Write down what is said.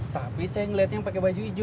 tapi saya ngeliatnya yang pake baju hijau